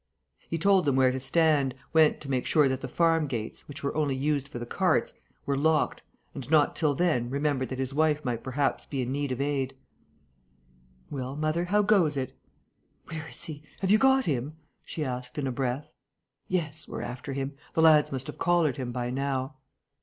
He told them where to stand, went to make sure that the farm gates, which were only used for the carts, were locked, and, not till then, remembered that his wife might perhaps be in need of aid: "Well, mother, how goes it?" "Where is he? Have you got him?" she asked, in a breath. "Yes, we're after him. The lads must have collared him by now."